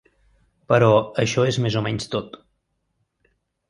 Però això és més o menys tot.